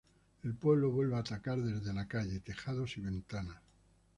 El pueblo vuelve a atacar desde la calle, tejados y ventanas.